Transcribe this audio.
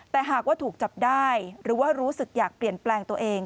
แต่หากว่าถูกจับได้หรือว่ารู้สึกอยากเปลี่ยนแปลงตัวเอง